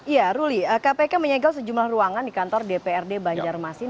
ya ruli kpk menyegel sejumlah ruangan di kantor dprd banjarmasin